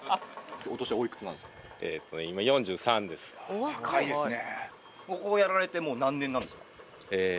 お若いですね。